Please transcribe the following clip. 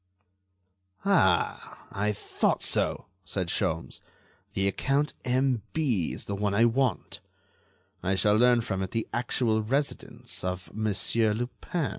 "Ah! I thought so!" said Sholmes; "the account M.B. is the one I want. I shall learn from it the actual residence of Monsieur Lupin."